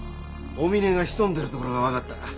お峰が潜んでる所が分かった。